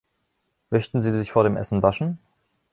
Möchten Sie sich vor dem Essen waschen?